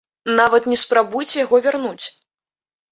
Нават не спрабуйце яго вярнуць!